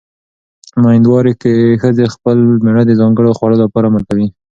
مېندوارۍ کې ښځې خپل مېړه د ځانګړو خوړو لپاره امر کوي.